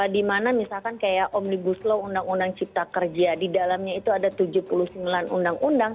dimana misalkan kayak omnibus law undang undang cipta kerja di dalamnya itu ada tujuh puluh sembilan undang undang